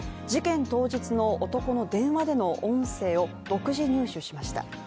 事件当日の男の電話での音声を独自入手しました。